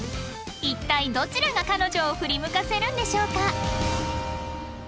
一体どちらが彼女を振り向かせるんでしょうか？